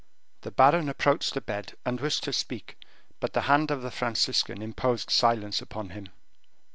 The baron approached the bed, and wished to speak, but the hand of the Franciscan imposed silence upon him.